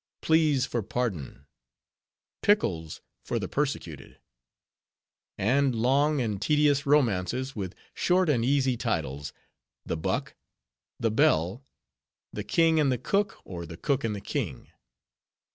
"Pleas for Pardon." "Pickles for the Persecuted." And long and tedious romances with short and easy titles:— "The Buck." "The Belle." "The King and the Cook, or the Cook and the King."